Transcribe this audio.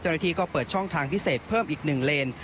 เจ้าหน้าที่ก็เปิดช่องทางพิเศษเพิ่มอีก๑เลน